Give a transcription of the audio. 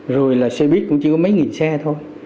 rồi là xe buýt cũng chỉ có mấy nghìn xe thôi